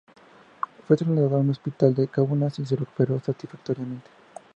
Fue trasladado a un hospital de Kaunas y se recuperó satisfactoriamente.